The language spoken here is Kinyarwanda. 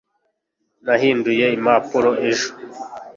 nahinduye impapuro ejo